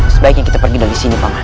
sebaiknya kita pergi dari sini pak